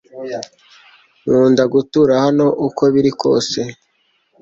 Nkunda gutura hano uko biri kose